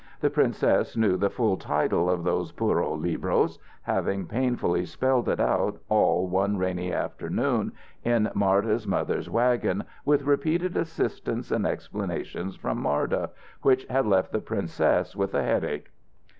The princess knew the full title of those puro libros, having painfully spelled it out, all one rainy afternoon, in Marda's mother's wagon, with repeated assitance and explanations from Marda, which had left the princess with a headache.